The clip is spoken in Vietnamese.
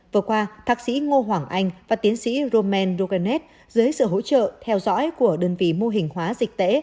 vừa qua thạc sĩ ngô hoảng anh và tiến sĩ romain duganet dưới sự hỗ trợ theo dõi của đơn vị mô hình hóa dịch tễ